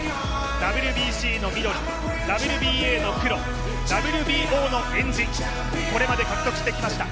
ＷＢＣの緑、ＷＢＡの黒、ＷＢＯのえんじ、これまで獲得してきました。